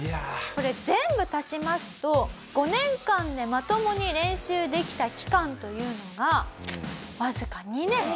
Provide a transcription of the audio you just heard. これ全部足しますと５年間でまともに練習できた期間というのがわずか２年。